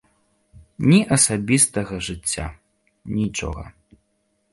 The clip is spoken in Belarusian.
Ні асабістага жыцця, нічога.